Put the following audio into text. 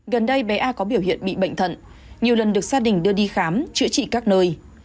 gần đây bé a có biểu hiện bị bệnh thận nhiều lần được gia đình đưa đi khám chữa trị các nơi